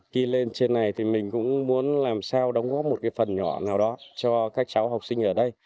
khi lên trên này thì mình cũng muốn làm sao đóng góp một cái phần nhỏ nào đó cho các cháu học sinh ở đây